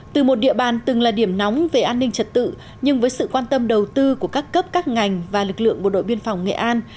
từ một địa bàn từng là điểm nóng về an ninh trật tự nhưng với sự quan tâm đầu tư của các cấp các ngành và lực lượng bộ đội biên phòng nghệ an